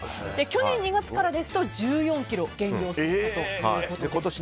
去年２月からですと１４ｋｇ減量されたということです。